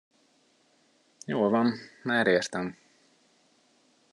Jól van, már értem.